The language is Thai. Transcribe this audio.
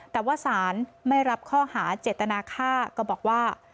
แต่ว่าสารไม่รับข้อหาเจตนาค่าก็บอกว่า